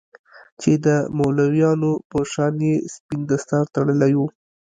چې د مولويانو په شان يې سپين دستار تړلى و.